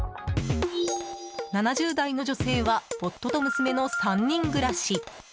７０代の女性は夫と娘の３人暮らし。